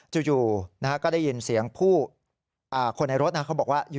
จู่ก็ได้ยินเสียงผู้คนในรถนะเขาบอกว่า